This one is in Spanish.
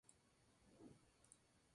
Más tarde empezó una gira por España.